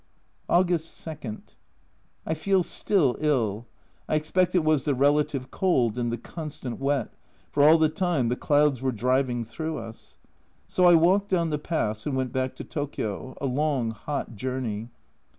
August 2. I feel still ill. I expect it was the relative cold and the constant wet, for all the time the clouds were driving through us. So I walked down the pass and went back to Tokio a long hot journey.